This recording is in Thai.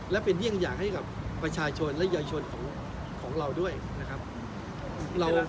และเป็นเยี่ยงอย่างให้กับประชาชนและเยาวชนของเราด้วยนะครับ